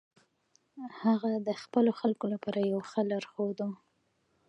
هغه د خپلو خلکو لپاره یو ښه لارښود و.